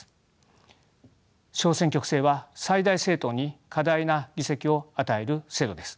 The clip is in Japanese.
小選挙区制は最大政党に過大な議席を与える制度です。